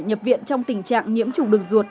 nhập viện trong tình trạng nhiễm chủng đường ruột